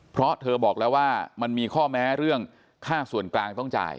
เพราะเธอบอกแล้วว่ามันมีข้อแม้เรื่องค่าส่วนกลางต้องจ่าย